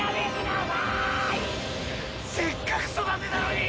せっかく育てたのに！